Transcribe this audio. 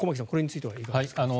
これについてはいかがですか。